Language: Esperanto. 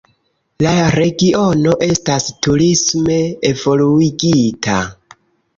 La regiono estas turisme evoluigita.